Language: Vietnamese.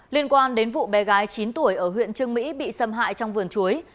liên quan đến vụ bé gái chín tuổi ở huyện trương mỹ bị xâm hại trong vườn chuối